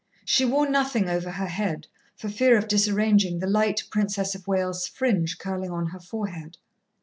She wore nothing over her head, for fear of disarranging the light Princess of Wales' fringe curling on her forehead.